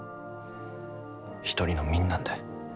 一人の民なんだ。